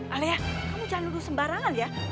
alea kamu jangan lulus sembarangan ya